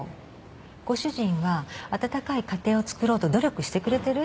ご主人は温かい家庭をつくろうと努力してくれてる？